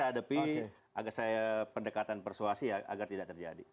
saya hadapi agar saya pendekatan persuasi ya agar tidak terjadi